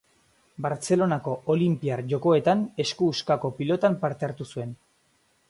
Bartzelonako Olinpiar Jokoetan esku huskako pilotan parte hartu zuen.